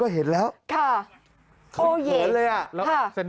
เห็นเลยอ่ะ